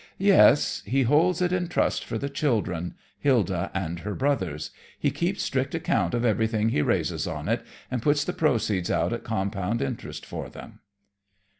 "Yes; he holds it in trust for the children, Hilda and her brothers. He keeps strict account of everything he raises on it, and puts the proceeds out at compound interest for them."